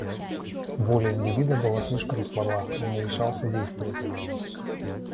Воля индивида была слишком слаба, он не решался действовать.